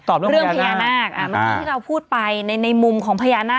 ตอบเรื่องพยานาคเรื่องพยานาคอ่าเมื่อกี้ที่เราพูดไปในในมุมของพยานาค